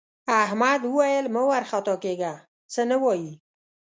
احمد وویل مه وارخطا کېږه څه نه وايي.